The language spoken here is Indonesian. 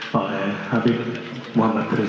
pak ule habib muhammad rizieq syihab